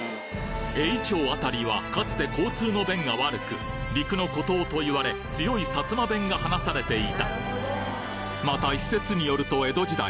頴娃町辺りはかつて交通の便が悪く陸の孤島と言われ強い薩摩弁が話されていたまた一説によると江戸時代